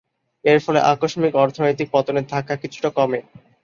এর ফলে আকস্মিক অর্থনৈতিক পতনের ধাক্কা কিছুটা কমে।